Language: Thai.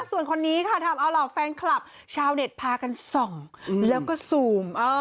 ส่วนคนนี้ค่ะทำเอาเหล่าแฟนคลับชาวเน็ตพากันส่องแล้วก็ซูม